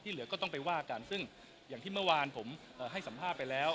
เหลือก็ต้องไปว่ากันซึ่งอย่างที่เมื่อวานผมให้สัมภาษณ์ไปแล้ว